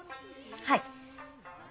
はい。